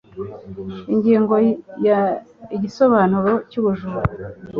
Ingingo ya Igisobanuro cy ubujura